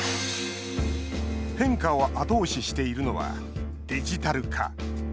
変化を後押ししているのはデジタル化。